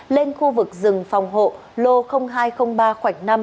lên khu vực rừng phòng hộ lô hai trăm linh ba khoảnh năm